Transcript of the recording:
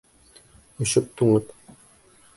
Өшөп, туңып.